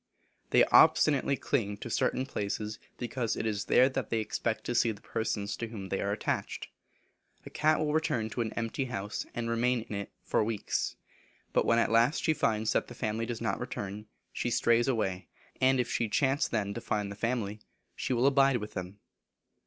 They obstinately cling to certain places, because it is there they expect to see the persons to whom they are attached. A cat will return to an empty house, and remain in it many weeks. But when at last she finds that the family does not return, she strays away, and if she chance then to find the family, she will abide with them.